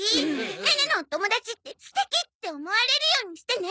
ネネのお友達って素敵って思われるようにしてね。